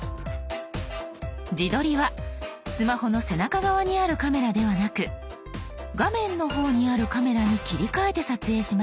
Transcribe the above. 自撮りはスマホの背中側にあるカメラではなく画面の方にあるカメラに切り替えて撮影します。